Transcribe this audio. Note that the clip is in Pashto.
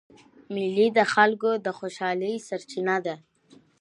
مېلې د خلکو د خوشحالۍ سرچینه ده.